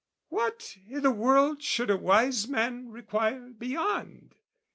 What I' the world should a wise man require beyond?